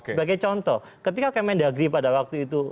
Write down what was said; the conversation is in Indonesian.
sebagai contoh ketika kementerian negeri pada waktu itu